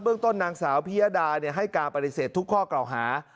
เบื้องต้นนางสาวพิยดาให้การปฏิเสธทุกข้อเก่าหา